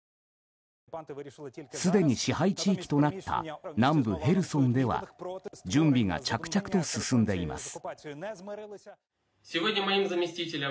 すでに支配地域となった南部ヘルソンでは準備が着々と進んでいます。